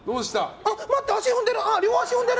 あ、待って足踏んでる！